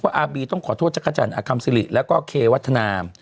อาร์บีต้องขอโทษจักรจันทร์อคัมซิริแล้วก็เควัฒนา